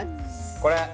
これ？